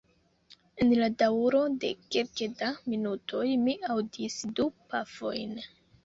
En la daŭro de kelke da minutoj mi aŭdis du pafojn.